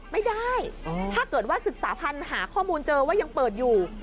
ไม่ได้ถ้าเกิดว่าศึกษาพันธุ์หาข้อมูลเจอว่ายังเปิดอยู่